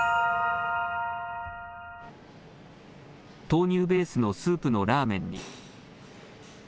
豆乳ベースのスープのラーメンに。